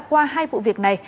qua hai vụ việc này